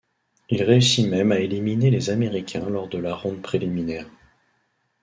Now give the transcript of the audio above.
Il réussit même à éliminer les américains lors de la ronde préliminaire.